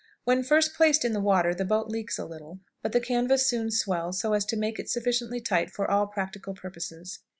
When first placed in the water the boat leaks a little, but the canvas soon swells so as to make it sufficiently tight for all practical purposes.